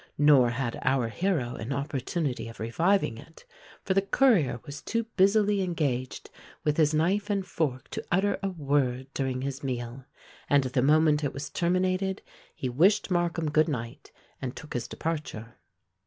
Nor had our hero an opportunity of reviving it; for the courier was too busily engaged with his knife and fork to utter a word during his meal; and the moment it was terminated, he wished Markham good night and took his departure.